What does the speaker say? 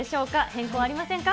変更ありませんか？